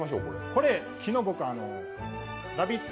これ昨日僕、ラヴィット！